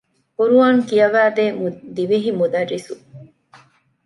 ޤުރުއާން ކިޔަވައިދޭ ދިވެހި މުދައްރިސު